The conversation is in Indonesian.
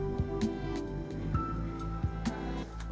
masa keadaan kegiatan kegiatan yang tidak bisa dikeluarkan